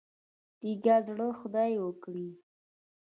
تیږه زړه خدای ورکړی.